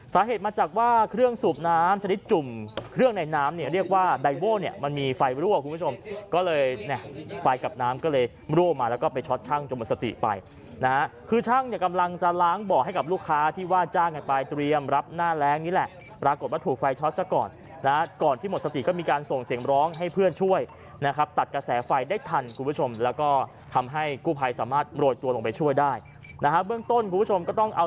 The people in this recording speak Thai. สาเหตุมาจากว่าเครื่องสูบน้ำชนิดจุ่มเครื่องในน้ำเนี่ยเรียกว่าไดโว้เนี่ยมันมีไฟรั่วคุณผู้ชมก็เลยเนี่ยไฟกับน้ำก็เลยรั่วมาแล้วก็ไปช็อตชั่งจนหมดสติไปนะฮะคือชั่งเนี่ยกำลังจะล้างบ่อให้กับลูกค้าที่ว่าจ้างกันไปเตรียมรับหน้าแรงนี่แหละปรากฏว่าถูกไฟช็อตซะก่อนนะฮะก่อนที่หมด